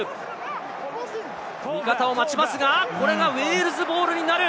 味方を待ちますが、これがウェールズボールになる。